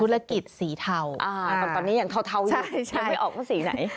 ทุรกิจสีเทาอ่าตอนตอนนี้ยังเท่าเท่าอยู่ใช่ใช่ไม่ออกว่าสีไหน